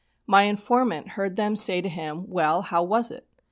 My informant heard them say to him, "Well, how was it?"